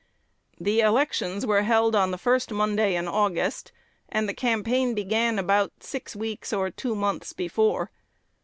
The elections were held on the first Monday in August, and the campaign began about six weeks or two months before.